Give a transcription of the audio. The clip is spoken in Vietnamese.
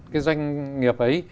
cái doanh nghiệp ấy